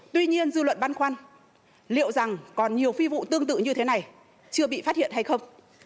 tuy nhiên dư luận băn khoăn liệu rằng còn nhiều phi vụ tương tự như thế này chưa bị phát hiện hay không